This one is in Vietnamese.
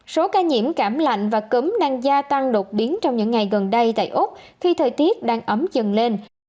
số ca nhiễm cảm lạnh và cứng đang gia tăng đột biến trong những ngày gần đây tại úc khi thời tiết đang ấm dần lên